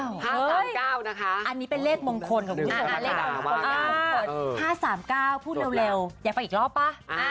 เรียกว่าเดินสายมูลเลยนะคะ